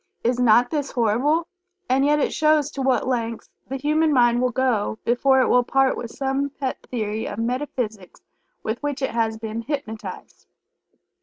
Is not this horrible? And yet it shows to what lengths the human mind will go before it will part with some pet theory of metaphysics with which it has been hypnotized.